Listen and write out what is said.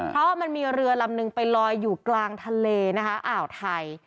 เพราะมันมีเรือลำนึงไปลอยอยู่กลางทะเลนะคะอ่าวไทย